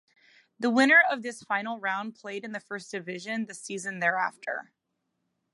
The winner of this Final Round played in the First Division the season thereafter.